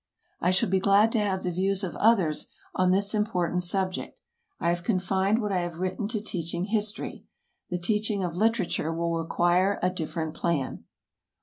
I shall be glad to have the views of others on this important subject. I have confined what I have written to teaching history. The teaching of literature will require a different plan.